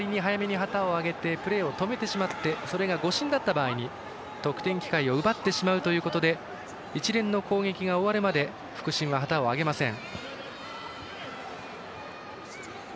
プレーを止めてしまってそれが誤審だった場合得点機会を奪ってしまうということで一連の攻撃が終わるまで副審は旗を上げません。